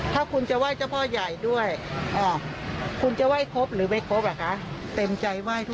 ทำให้ร้านป้าเสียหาย